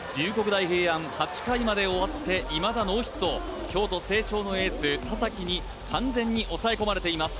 大平安８回まで終わっていまだノーヒット京都成章のエース田崎に完全に抑え込まれています